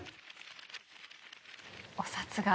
お札が。